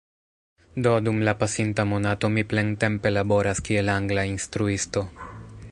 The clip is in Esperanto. Do dum la pasinta monato mi plentempe laboras kiel angla instruisto